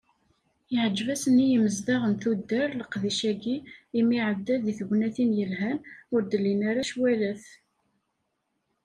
Yeɛǧeb-asen i yimezdaɣ n tuddar, leqdic-agi, imi iɛedda deg tegnatin yelhan, ur d-llin ara ccwalat.